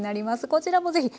こちらもぜひ。